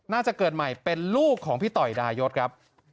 น่าจะเกิดใหม่เป็นลูกของพี่ต่อยดายศครับ